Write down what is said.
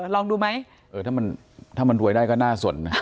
ลองดูไหมถ้ามันรวยได้ก็น่าสนนะ